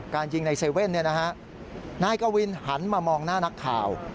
การยิงในเซเว่นนายกะวินหันมามองหน้านักข่าว